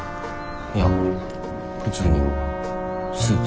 いや普通にスーツ。